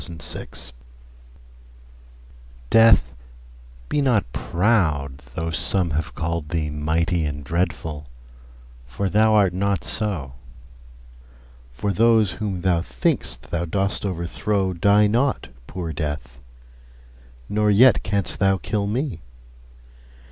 Death DEATH, be not proud, though some have callèd thee Mighty and dreadful, for thou art not so: For those whom thou think'st thou dost overthrow Die not, poor Death; nor yet canst thou kill me.